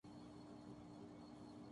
ہر چیز کا وقت مقرر ہوتا ہے۔